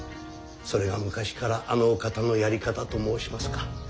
それが昔からあのお方のやり方と申しますか。